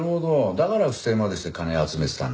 だから不正までして金を集めてたんだ。